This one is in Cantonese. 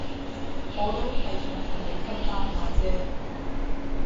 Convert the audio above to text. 我都係想同你分擔下姐